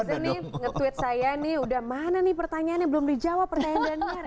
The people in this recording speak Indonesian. netizen nih nge tweet saya nih udah mana nih pertanyaannya belum di jawab pertanyaannya